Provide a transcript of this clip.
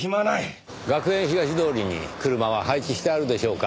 学園東通りに車は配置してあるでしょうか？